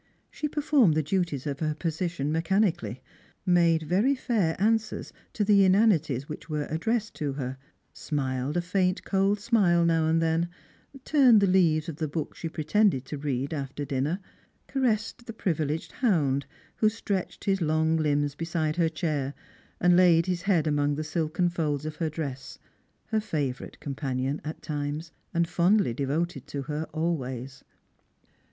She performed the duties of her position mechanically ; made very fair answers to the inanities ■which were addressed to her ; smiled a faint cold smile now and then ; turned the leaves of the book she pretended to read alter dinner ; caressed the privileged hound, who stretched his long limbs beside her chair and laid his head among the silken fold's of her dress, her favourite companion at times, and fondly devoted to her always.